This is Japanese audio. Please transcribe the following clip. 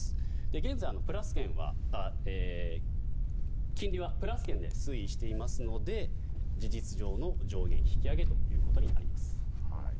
現在、金利はプラス圏で推移していますので事実上の上限引き上げということになります。